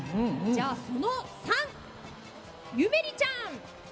じゃあ、その３、ゆめりちゃん。